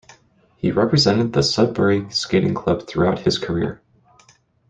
He represented the Sudbury Skating Club throughout his career.